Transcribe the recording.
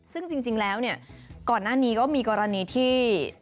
ซึ่งจริงแล้วเนี่ยก่อนหน้านี้ก็มีกรณีที่